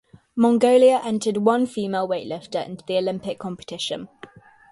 Mongolia entered one female weightlifter into the Olympic competition.